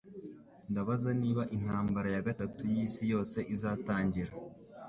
Ndabaza niba intambara ya gatatu yisi yose izatangira.